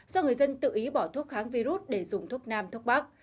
do người dân tự ý bỏ thuốc kháng virus để dùng thuốc nam thuốc bắc